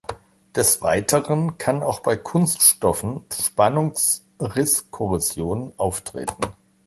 Des Weiteren kann auch bei Kunststoffen Spannungsrisskorrosion auftreten.